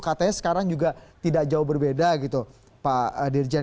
katanya sekarang juga tidak jauh berbeda gitu pak dirjen